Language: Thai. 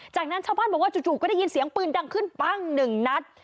จากนั้นชาวบ้านบอกว่าจู่ก็ได้ยินเสียงปืนดังขึ้นปั้งหนึ่งนัด